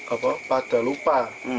apa pada lupa